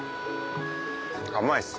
甘いっす